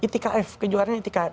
itkf kejuaraannya itkf